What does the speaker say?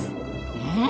うん！